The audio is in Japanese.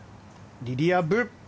リリア・ブ